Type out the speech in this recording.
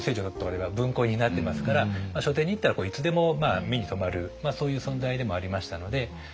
辺りは文庫になってますから書店に行ったらいつでも目に留まるそういう存在でもありましたので。